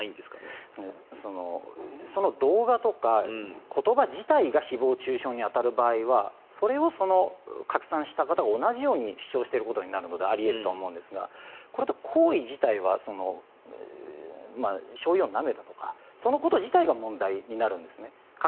動画とか言葉自体が誹謗・中傷に当たる場合はそれを拡散した方が同じように主張していることになるのであり得るとは思うんですがこの行為自体はしょうゆをなめたとかそのこと自体が問題になるんですね。